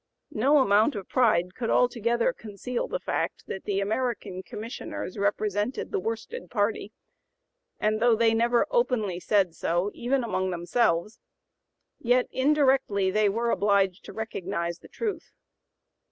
No amount of pride could altogether conceal the fact that the American Commissioners represented the worsted party, and though they never openly said so even among themselves, yet indirectly they were obliged to recognize the truth.